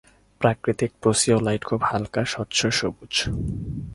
প্রাকৃতিক প্রসিওলাইট খুব হালকা, স্বচ্ছ সবুজ।